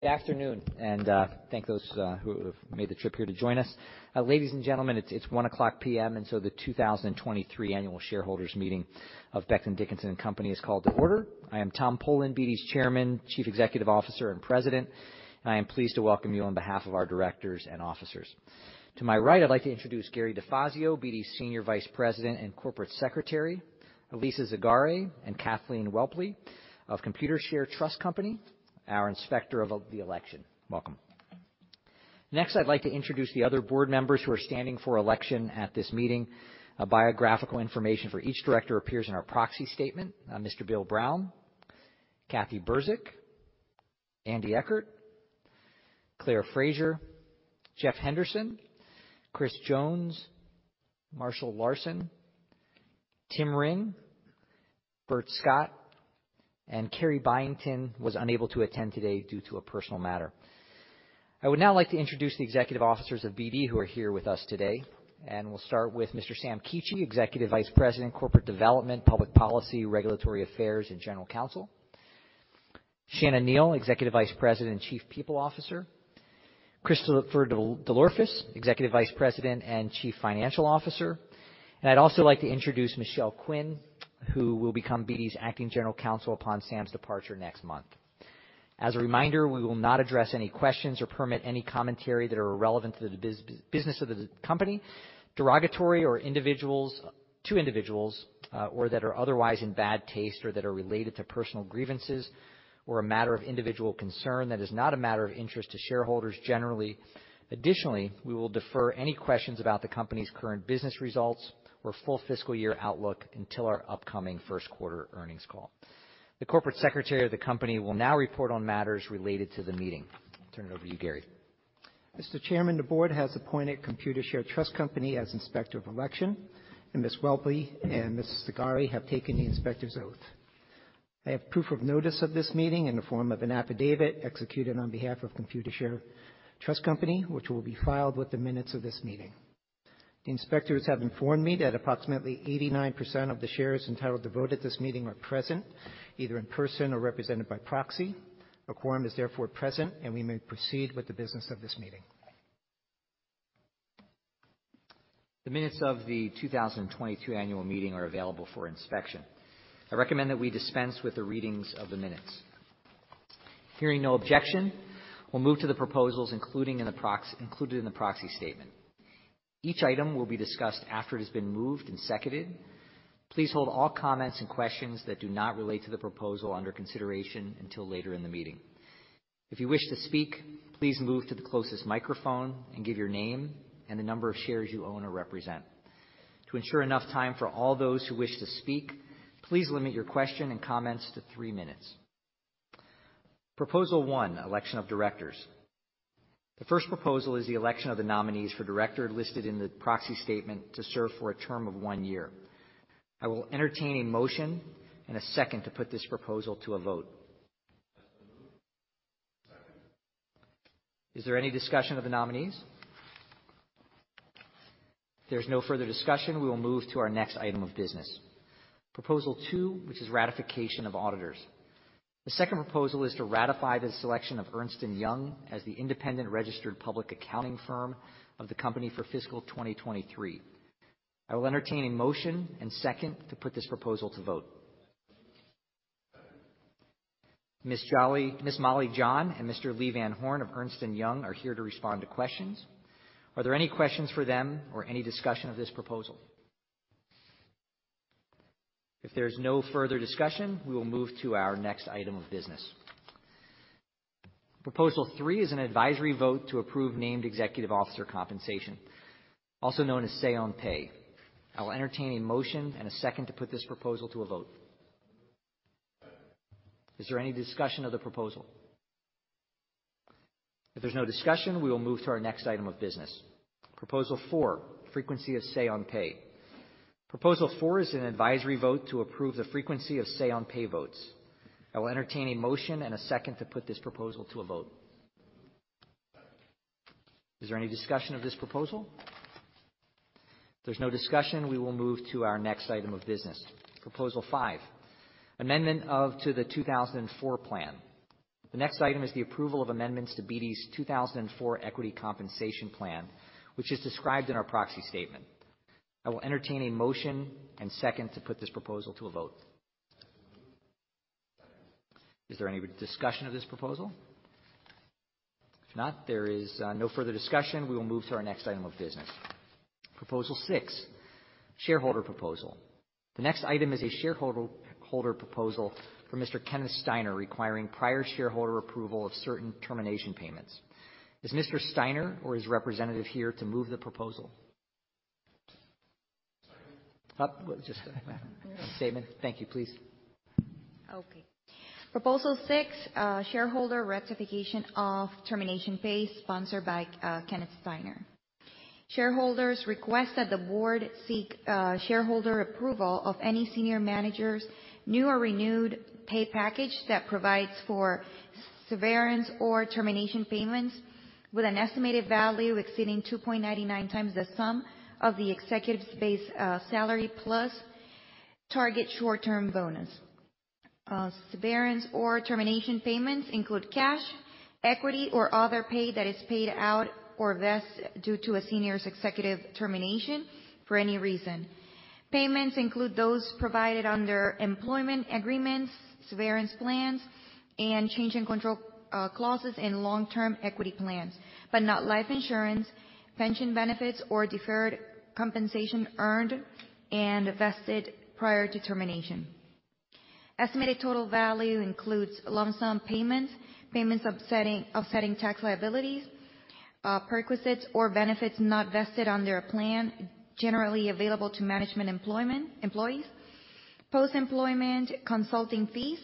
Good afternoon, thank those who have made the trip here to join us. Ladies and gentlemen, it's 1:00 P.M., the 2023 annual shareholders meeting of Becton, Dickinson and Company is called to order. I am Tom Polen, BD's Chairman, Chief Executive Officer, and President. I am pleased to welcome you on behalf of our directors and officers. To my right, I'd like to introduce Gary DeFazio, BD's Senior Vice President and Corporate Secretary. Elisa Zegarra and Kathleen Whelpley of Computershare Trust Company, our inspector of the election. Welcome. Next, I'd like to introduce the other board members who are standing for election at this meeting. A biographical information for each director appears in our proxy statement. William A. Brown, Catherine M. Burzik, R. Andrew Eckert, Claire M. Fraser, Jeffrey W. Henderson, Christopher Jones, Marshall O. Larsen, Timothy M. Ring, Bertram L. Scott, and Carrie L. Byington was unable to attend today due to a personal matter. I would now like to introduce the executive officers of BD who are here with us today. We'll start with Mr. Samrat Khichi, Executive Vice President, Corporate Development, Public Policy, Regulatory Affairs, and General Counsel. Shana Neal, Executive Vice President, Chief People Officer. Christopher DelOrefice, Executive Vice President and Chief Financial Officer. I'd also like to introduce Michelle Quinn, who will become BD's Acting General Counsel upon Sam's departure next month. As a reminder, we will not address any questions or permit any commentary that are irrelevant to the business of the company, derogatory to individuals, or that are otherwise in bad taste or that are related to personal grievances, or a matter of individual concern that is not a matter of interest to shareholders generally. Additionally, we will defer any questions about the company's current business results or full fiscal year outlook until our upcoming first quarter earnings call. The corporate secretary of the company will now report on matters related to the meeting. I'll turn it over to you, Gary. Mr. Chairman, the board has appointed Computershare Trust Company as Inspector of Election, and Ms. Whelpley and Ms. Zegarra have taken the inspector's oath. I have proof of notice of this meeting in the form of an affidavit executed on behalf of Computershare Trust Company, which will be filed with the minutes of this meeting. The inspectors have informed me that approximately 89% of the shares entitled to vote at this meeting are present, either in person or represented by proxy. A quorum is therefore present, and we may proceed with the business of this meeting. The minutes of the 2022 annual meeting are available for inspection. I recommend that we dispense with the readings of the minutes. Hearing no objection, we'll move to the proposals included in the proxy statement. Each item will be discussed after it has been moved and seconded. Please hold all comments and questions that do not relate to the proposal under consideration until later in the meeting. If you wish to speak, please move to the closest microphone and give your name and the number of shares you own or represent. To ensure enough time for all those who wish to speak, please limit your question and comments to 3 minutes. Proposal 1, election of directors. The first proposal is the election of the nominees for director listed in the proxy statement to serve for a term of 1 year. I will entertain a motion and a second to put this proposal to a vote. Moved. Second. Is there any discussion of the nominees? If there's no further discussion, we will move to our next item of business. Proposal 2, which is ratification of auditors. The second proposal is to ratify the selection of Ernst & Young as the independent registered public accounting firm of the company for fiscal 2023. I will entertain a motion and second to put this proposal to vote. Moved. Second. Ms. Jolly, Ms. Molly Jolly and Mr. Lee Van Horn of Ernst & Young are here to respond to questions. Are there any questions for them or any discussion of this proposal? If there's no further discussion, we will move to our next item of business. Proposal 3 is an advisory vote to approve named executive officer compensation, also known as say on pay. I will entertain a motion and a second to put this proposal to a vote. Moved. Second. Is there any discussion of the proposal? If there's no discussion, we will move to our next item of business. Proposal 4, frequency of say on pay. Proposal 4 is an advisory vote to approve the frequency of say on pay votes. I will entertain a motion and a second to put this proposal to a vote. Moved. Second. Is there any discussion of this proposal? If there's no discussion, we will move to our next item of business. Proposal 5, 2004 Employee and Director Equity-Based Compensation Plan. The next item is the approval of amendments to BD's 2004 Employee and Director Equity-Based Compensation Plan, which is described in our proxy statement. I will entertain a motion and second to put this proposal to a vote. Moved. Second. Is there any discussion of this proposal? If not, there is no further discussion. We will move to our next item of business. Proposal 6, shareholder proposal. The next item is a shareholder proposal for Mr. Kenneth Steiner requiring prior shareholder approval of certain termination payments. Is Mr. Steiner or his representative here to move the proposal? Sorry. Oh, just a statement. Thank you. Please. Okay. Proposal 6, shareholder rectification of termination pay, sponsored by Kenneth Steiner. Shareholders request that the board seek shareholder approval of any senior manager's new or renewed pay package that provides for severance or termination payments with an estimated value exceeding $2.99 times the sum of the executive's base salary plus target short-term bonus. Severance or termination payments include cash, equity, or other pay that is paid out or vests due to a senior executive termination for any reason. Payments include those provided under employment agreements, severance plans, and change in control clauses in long-term equity plans, but not life insurance, pension benefits, or deferred compensation earned and vested prior to termination. Estimated total value includes lump sum payments offsetting tax liabilities, perquisites or benefits not vested under a plan generally available to management employees, post-employment consulting fees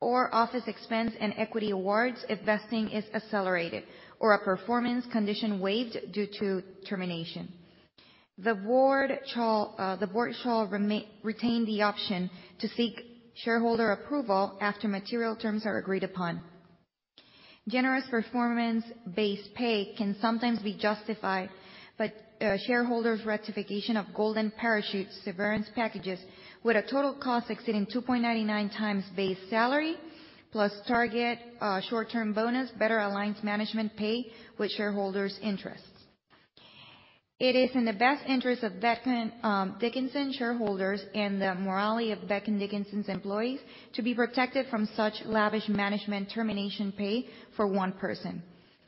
or office expense and equity awards if vesting is accelerated or a performance condition waived due to termination. The board shall retain the option to seek shareholder approval after material terms are agreed upon. Generous performance-based pay can sometimes be justified by shareholders' rectification of golden parachute severance packages with a total cost exceeding 2.99 times base salary plus target short-term bonus, better alliance management pay with shareholders' interests. It is in the best interest of Becton Dickinson shareholders and the morality of Becton Dickinson's employees to be protected from such lavish management termination pay for one person.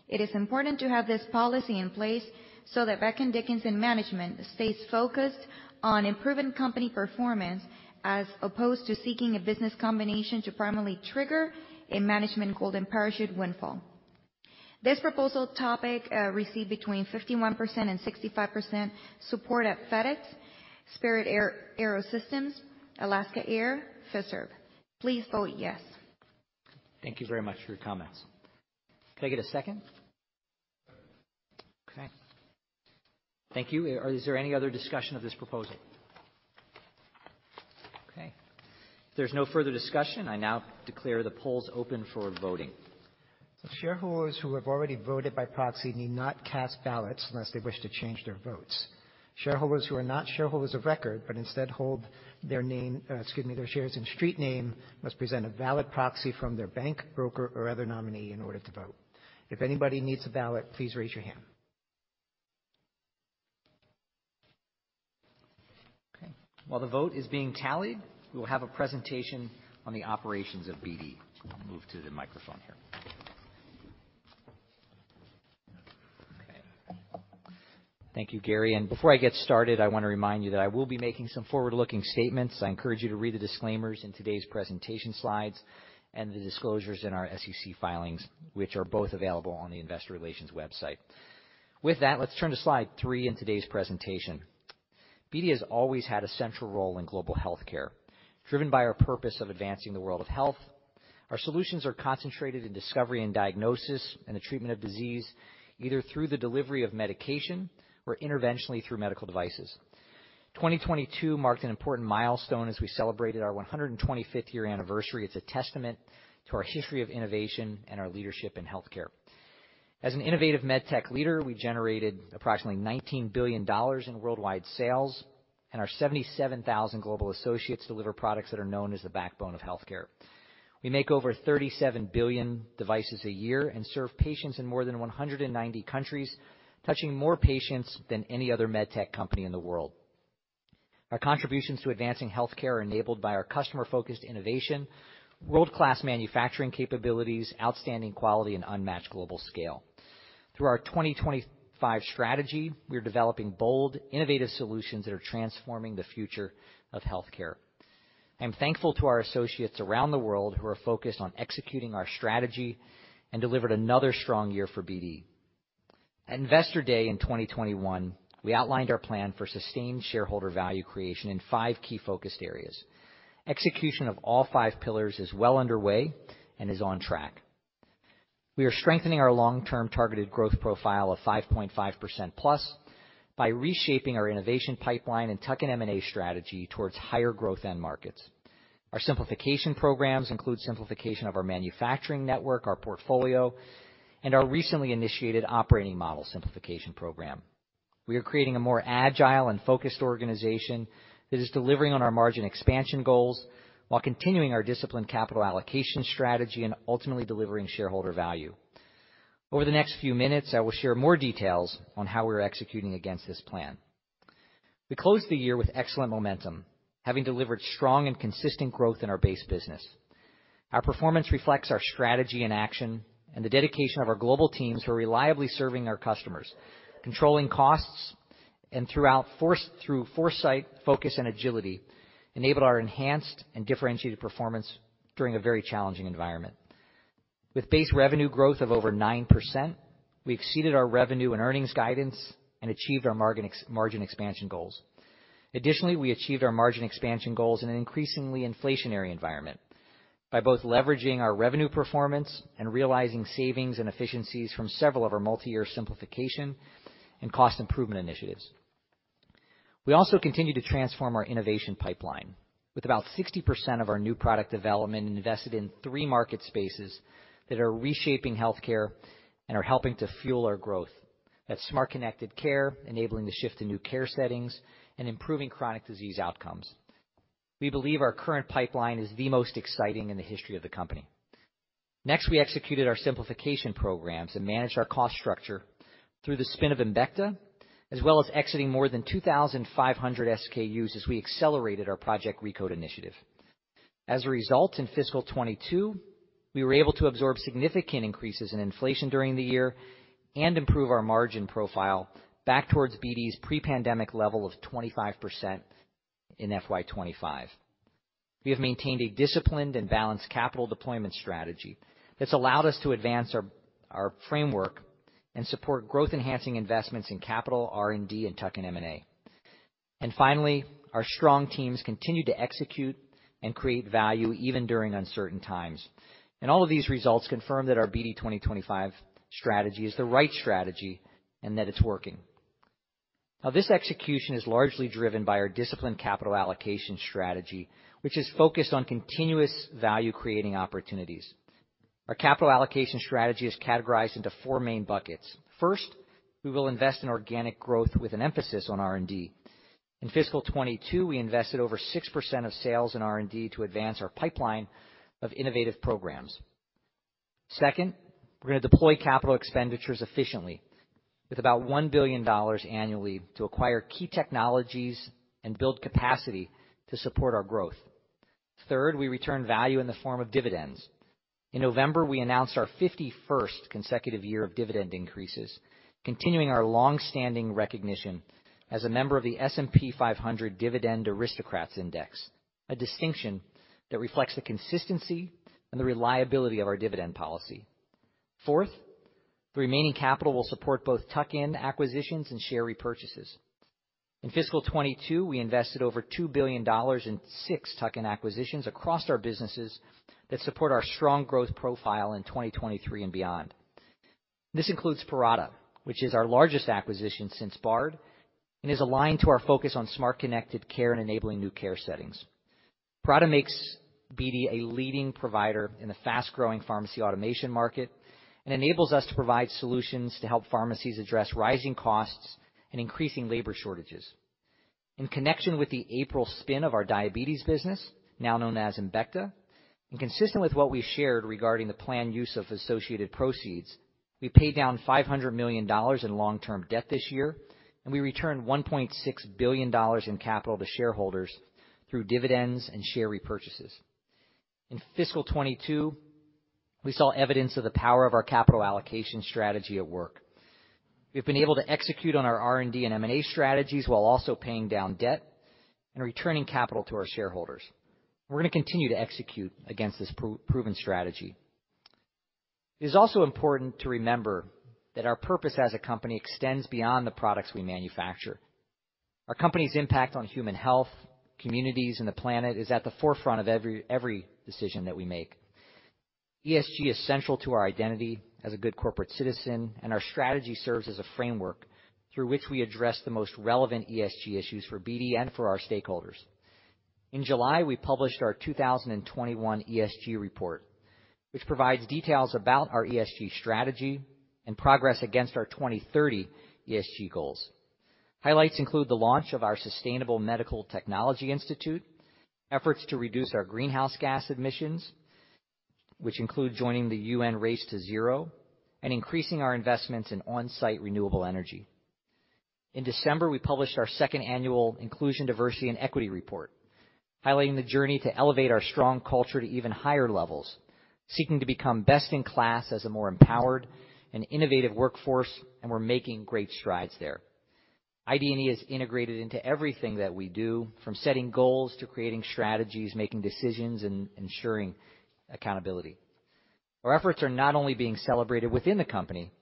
It is important to have this policy in place so that Becton Dickinson management stays focused on improving company performance as opposed to seeking a business combination to primarily trigger a management golden parachute windfall. This proposal topic received between 51% and 65% support at FedEx, Spirit AeroSystems, Alaska Air, Fiserv. Please vote yes. Thank you very much for your comments. Could I get a second? Second. Okay. Thank you. Is there any other discussion of this proposal? Okay, if there's no further discussion, I now declare the polls open for voting. Shareholders who have already voted by proxy need not cast ballots unless they wish to change their votes. Shareholders who are not shareholders of record, but instead hold, excuse me, their shares in street name, must present a valid proxy from their bank, broker, or other nominee in order to vote. If anybody needs a ballot, please raise your hand. Okay. While the vote is being tallied, we will have a presentation on the operations of BD. I'll move to the microphone here. Okay. Thank you, Gary. Before I get started, I wanna remind you that I will be making some forward-looking statements. I encourage you to read the disclaimers in today's presentation slides and the disclosures in our SEC filings, which are both available on the investor relations website. With that, let's turn to slide 3 in today's presentation. BD has always had a central role in global healthcare, driven by our purpose of advancing the world of health. Our solutions are concentrated in discovery and diagnosis and the treatment of disease, either through the delivery of medication or interventionally through medical devices. 2022 marked an important milestone as we celebrated our 125th year anniversary. It's a testament to our history of innovation and our leadership in healthcare. As an innovative med tech leader, we generated approximately $19 billion in worldwide sales. Our 77,000 global associates deliver products that are known as the backbone of healthcare. We make over 37 billion devices a year and serve patients in more than 190 countries, touching more patients than any other med tech company in the world. Our contributions to advancing healthcare are enabled by our customer-focused innovation, world-class manufacturing capabilities, outstanding quality, and unmatched global scale. Through our 2025 strategy, we are developing bold, innovative solutions that are transforming the future of healthcare. I'm thankful to our associates around the world who are focused on executing our strategy and delivered another strong year for BD. At Investor Day in 2021, we outlined our plan for sustained shareholder value creation in five key focused areas. Execution of all five pillars is well underway and is on track. We are strengthening our long-term targeted growth profile of 5.5%+ by reshaping our innovation pipeline and tuck-in M&A strategy towards higher growth end markets. Our simplification programs include simplification of our manufacturing network, our portfolio, and our recently initiated operating model simplification program. We are creating a more agile and focused organization that is delivering on our margin expansion goals while continuing our disciplined capital allocation strategy and ultimately delivering shareholder value. Over the next few minutes, I will share more details on how we're executing against this plan. We closed the year with excellent momentum, having delivered strong and consistent growth in our base business. Our performance reflects our strategy in action and the dedication of our global teams who are reliably serving our customers, controlling costs, and through foresight, focus, and agility, enabled our enhanced and differentiated performance during a very challenging environment. With base revenue growth of over 9%, we exceeded our revenue and earnings guidance and achieved our margin expansion goals. Additionally, we achieved our margin expansion goals in an increasingly inflationary environment by both leveraging our revenue performance and realizing savings and efficiencies from several of our multi-year simplification and cost improvement initiatives. We also continued to transform our innovation pipeline with about 60% of our new product development invested in 3 market spaces that are reshaping healthcare and are helping to fuel our growth. That's smart connected care, enabling the shift to new care settings, and improving chronic disease outcomes. We believe our current pipeline is the most exciting in the history of the company. We executed our simplification programs and managed our cost structure through the spin of Embecta, as well as exiting more than 2,500 SKUs as we accelerated our Project RECODE initiative. As a result, in fiscal 22, we were able to absorb significant increases in inflation during the year and improve our margin profile back towards BD's pre-pandemic level of 25% in FY 25. We have maintained a disciplined and balanced capital deployment strategy that's allowed us to advance our framework and support growth-enhancing investments in capital, R&D, and tuck-in M&A. Finally, our strong teams continue to execute and create value even during uncertain times. All of these results confirm that our BD 2025 strategy is the right strategy and that it's working. This execution is largely driven by our disciplined capital allocation strategy, which is focused on continuous value-creating opportunities. Our capital allocation strategy is categorized into four main buckets. First, we will invest in organic growth with an emphasis on R&D. In fiscal 22, we invested over 6% of sales in R&D to advance our pipeline of innovative programs. Second, we're gonna deploy capital expenditures efficiently with about $1 billion annually to acquire key technologies and build capacity to support our growth. Third, we return value in the form of dividends. In November, we announced our 51st consecutive year of dividend increases, continuing our long-standing recognition as a member of the S&P 500 Dividend Aristocrats Index, a distinction that reflects the consistency and the reliability of our dividend policy. Fourth, the remaining capital will support both tuck-in acquisitions and share repurchases. In fiscal 2022, we invested over $2 billion in six tuck-in acquisitions across our businesses that support our strong growth profile in 2023 and beyond. This includes Parata, which is our largest acquisition since Bard and is aligned to our focus on smart connected care and enabling new care settings. Parata makes BD a leading provider in the fast-growing pharmacy automation market and enables us to provide solutions to help pharmacies address rising costs and increasing labor shortages. In connection with the April spin of our diabetes business, now known as Embecta, and consistent with what we shared regarding the planned use of associated proceeds, we paid down $500 million in long-term debt this year, and we returned $1.6 billion in capital to shareholders through dividends and share repurchases. In fiscal 22, we saw evidence of the power of our capital allocation strategy at work. We've been able to execute on our R&D and M&A strategies while also paying down debt and returning capital to our shareholders. We're gonna continue to execute against this proven strategy. It is also important to remember that our purpose as a company extends beyond the products we manufacture. Our company's impact on human health, communities, and the planet is at the forefront of every decision that we make. ESG is central to our identity as a good corporate citizen. Our strategy serves as a framework through which we address the most relevant ESG issues for BD and for our stakeholders. In July, we published our 2021 ESG report, which provides details about our ESG strategy and progress against our 2030 ESG goals. Highlights include the launch of our Sustainable Medical Technology Institute, efforts to reduce our greenhouse gas emissions, which include joining the UN Race to Zero, and increasing our investments in on-site renewable energy. In December, we published our second annual Inclusion, Diversity, and Equity Report, highlighting the journey to elevate our strong culture to even higher levels, seeking to become best-in-class as a more empowered and innovative workforce. We're making great strides there. ID&E is integrated into everything that we do, from setting goals to creating strategies, making decisions, and ensuring accountability. Our efforts are not only being celebrated within the company.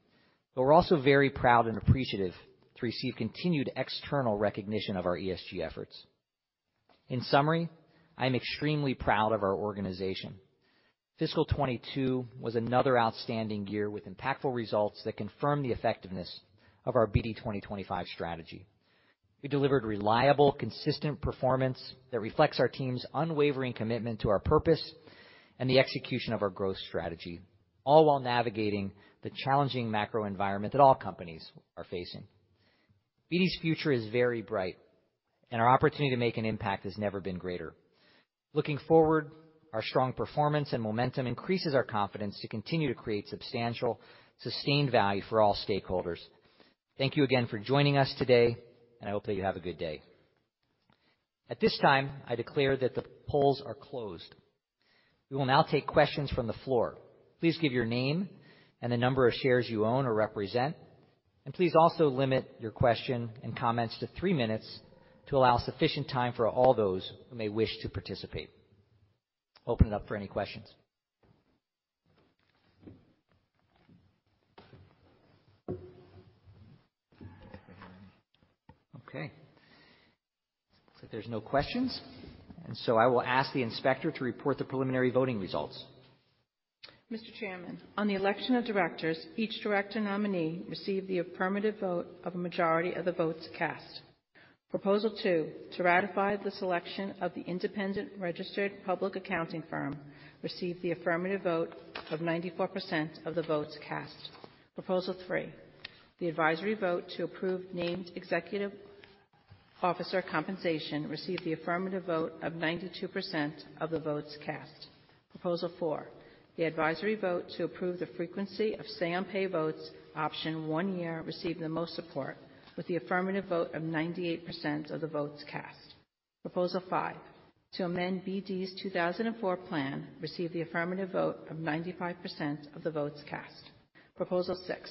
We're also very proud and appreciative to receive continued external recognition of our ESG efforts. In summary, I'm extremely proud of our organization. Fiscal 22 was another outstanding year with impactful results that confirm the effectiveness of our BD 2025 strategy. We delivered reliable, consistent performance that reflects our team's unwavering commitment to our purpose and the execution of our growth strategy, all while navigating the challenging macro environment that all companies are facing. BD's future is very bright and our opportunity to make an impact has never been greater. Looking forward, our strong performance and momentum increases our confidence to continue to create substantial, sustained value for all stakeholders. Thank you again for joining us today, and I hope that you have a good day. At this time, I declare that the polls are closed. We will now take questions from the floor. Please give your name and the number of shares you own or represent, and please also limit your question and comments to three minutes to allow sufficient time for all those who may wish to participate. Open it up for any questions. Okay. Looks like there's no questions, and so I will ask the inspector to report the preliminary voting results. Mr. Chairman, on the election of directors, each director nominee received the affirmative vote of a majority of the votes cast. Proposal two, to ratify the selection of the independent registered public accounting firm, received the affirmative vote of 94% of the votes cast. Proposal three, the advisory vote to approve named executive officer compensation, received the affirmative vote of 92% of the votes cast. Proposal four, the advisory vote to approve the frequency of say on pay votes option 1 year, received the most support with the affirmative vote of 98% of the votes cast. Proposal five, to amend BD's 2004 plan, received the affirmative vote of 95% of the votes cast. Proposal six,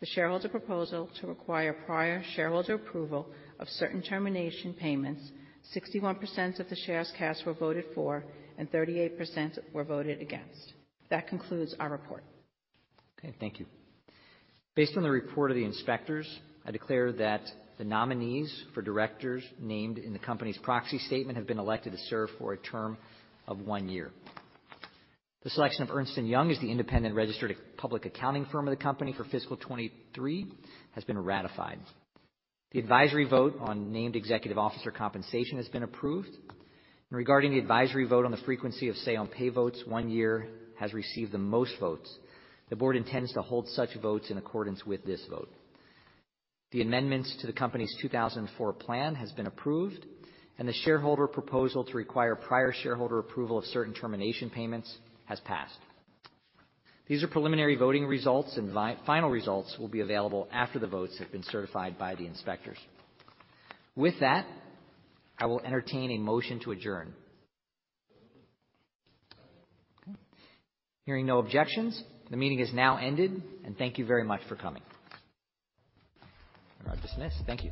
the shareholder proposal to require prior shareholder approval of certain termination payments, 61% of the shares cast were voted for, and 38% were voted against. That concludes our report. Okay. Thank you. Based on the report of the inspectors, I declare that the nominees for directors named in the company's proxy statement have been elected to serve for a term of one year. The selection of Ernst & Young as the independent registered public accounting firm of the company for fiscal 23 has been ratified. The advisory vote on named executive officer compensation has been approved. Regarding the advisory vote on the frequency of say on pay votes, one year has received the most votes. The board intends to hold such votes in accordance with this vote. The amendments to the company's 2004 plan has been approved, the shareholder proposal to require prior shareholder approval of certain termination payments has passed. These are preliminary voting results, final results will be available after the votes have been certified by the inspectors. With that, I will entertain a motion to adjourn. Okay. Hearing no objections, the meeting is now ended, and thank you very much for coming. We are dismissed. Thank you.